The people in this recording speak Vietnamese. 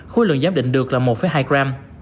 khối lượng giáp định được là một hai gram